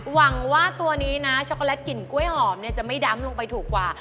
หวังว่าตัวนี้นะช็อกโกแลตกลิ่นกล้วยหอมเนี่ยจะไม่ดำลงไปถูกกว่า